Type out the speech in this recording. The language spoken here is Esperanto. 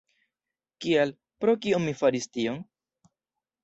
Kial, pro kio mi faris tion?